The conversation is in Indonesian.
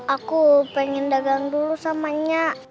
aku pengen dagang dulu sama nyak